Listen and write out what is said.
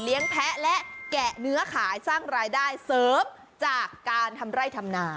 แพ้และแกะเนื้อขายสร้างรายได้เสริมจากการทำไร่ทำนา